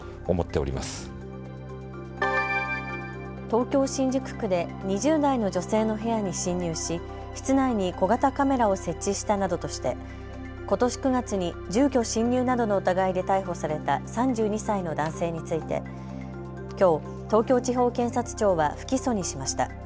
東京新宿区で２０代の女性の部屋に侵入し室内に小型カメラを設置したなどとしてことし９月に住居侵入などの疑いで逮捕された３２歳の男性について、きょう東京地方検察庁は不起訴にしました。